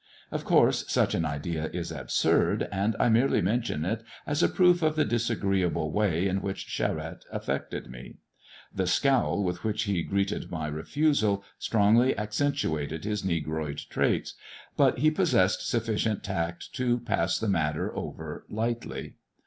Of course, such an idea is absurd, and I merely mention it as a proof of the disagreeable way in which Charette affected me. The scowl with which he greeted my refusal strongly accentuated his Negroid traits, but he possessed sufficient tact to pass the matter over lightly.